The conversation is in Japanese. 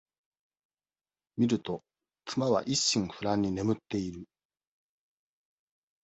みると、妻は一心不乱に眠っている。